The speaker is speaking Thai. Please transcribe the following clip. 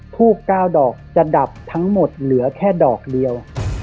ทูบ๙ดอกจะดับทั้งหมดเหลือแค่ดอกเดียว